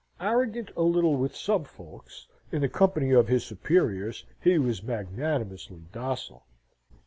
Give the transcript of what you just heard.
Arrogant a little with some folks, in the company of his superiors he was magnanimously docile.